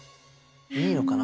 いいのかな？